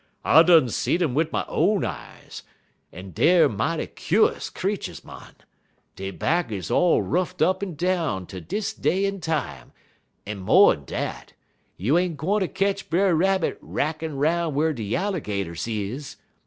"I done seed um wid my own eyes. En deyer mighty kuse creeturs, mon. Dey back is all ruffed up en down ter dis day en time, en mo'n dat, you ain't gwineter ketch Brer Rabbit rackin' 'roun' whar de Yallergaters is.